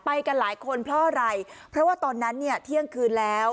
ไปกันหลายคนเพราะอะไรเพราะว่าตอนนั้นเนี่ยเที่ยงคืนแล้ว